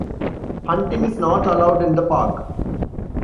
Hunting is not allowed in the park.